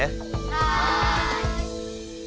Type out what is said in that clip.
はい。